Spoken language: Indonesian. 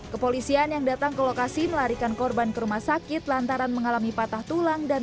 kepolisian yang datang ke lokasi melarikan korban ke rumah sakit lantaran mengalami patah tulang dan